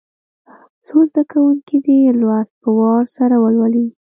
څو زده کوونکي دي لوست په وار سره ولولي.